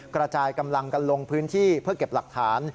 กระจายกำลังกันลงพื้นที่เพื่อเก็บหลักฐาน